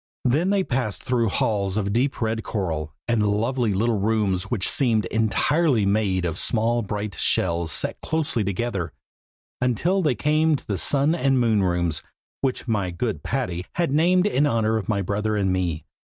Then they passed through halls of deep red coral, and lovely little rooms which seemed entirely made of small bright shells set closely together, until they came to the Sun and Moon rooms, which my good Patty has named in honor of my brother and me.